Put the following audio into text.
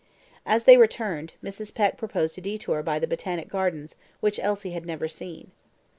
As they returned, Mrs. Peck proposed a detour by the Botanic Gardens, which Elsie had never seen.